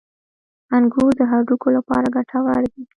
• انګور د هډوکو لپاره ګټور دي.